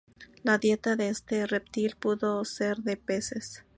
La dieta de este reptil pudo ser de peces.